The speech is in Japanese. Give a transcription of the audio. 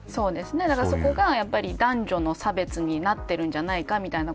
だからそこが男女の差別になってるんじゃないかみたいな